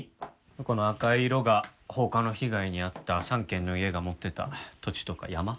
この赤い色が放火の被害に遭った３軒の家が持っていた土地とか山。